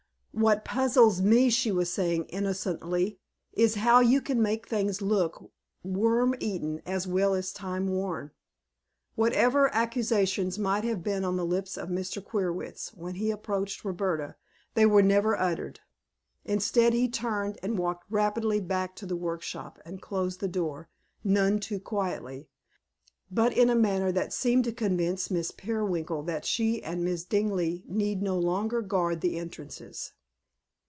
"What puzzles me," she was saying, innocently, "is how you can make things look worm eaten as well as time worn." Whatever accusations might have been on the lips of Mr. Queerwitz when he approached Roberta, they were never uttered. Instead he turned and walked rapidly back to his workshop and closed the door, none too quietly, but in a manner that seemed to convince Miss Peerwinkle that she and Miss Dingley need no longer guard the entrances.